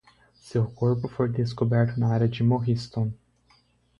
Seu corpo foi descoberto na área de Morriston.